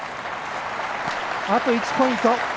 あと１ポイント！